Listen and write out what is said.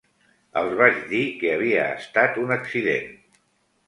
Els vaig dir que havia estat un accident.